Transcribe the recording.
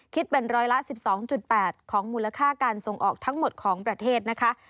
คิดเป็นร้อยละ๑๒๘ของมูลค่าการส่งออกทั้งหมดของประเทศนะคะ